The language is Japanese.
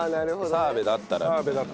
澤部だったら。